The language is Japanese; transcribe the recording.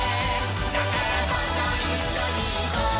「だからどんどんいっしょにいこう」